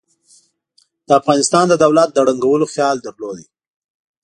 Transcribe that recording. د افغانستان د دولت د ړنګولو خیال درلود.